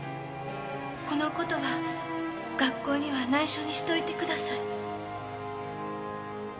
この事は学校には内緒にしといてください。